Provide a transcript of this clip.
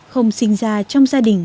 không sinh ra trong gia đình